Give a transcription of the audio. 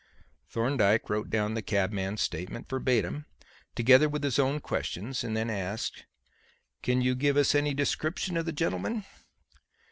Thorndyke wrote down the cabman's statement verbatim together with his own questions, and then asked: "Can you give us any description of the gentleman?"